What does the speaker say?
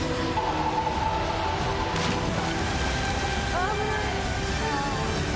危ない！